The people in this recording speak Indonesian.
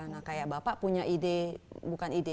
nah kayak bapak punya ide bukan ide